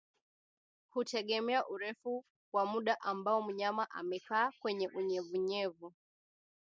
Hutegemea urefu wa muda ambao mnyama amekaa kwenye unyevunyevu